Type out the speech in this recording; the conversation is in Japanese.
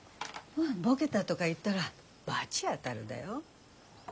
ボケたとか言ったらバチ当たるだよ。